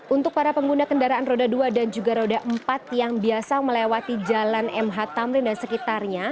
untuk para pengguna kendaraan roda dua dan juga roda empat yang biasa melewati jalan mh tamrin dan sekitarnya